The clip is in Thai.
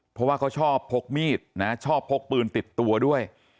เพราะว่าเขาชอบพกมีดนะชอบพกปืนติดตัวด้วย